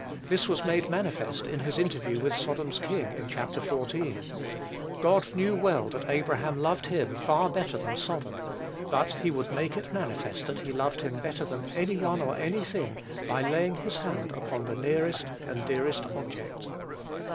This was made manifest in his interview with Sodom's king, in Chapter xiv. God knew well that Abraham loved him far better than Sodom; but he would make it manifest that he loved him better than any one or any thing, by laying his hand upon the nearest and dearest object.